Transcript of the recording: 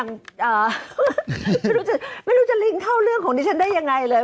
ไม่รู้จะลิงค์เข้าเรื่องของนี้ฉันได้อย่างไรเลย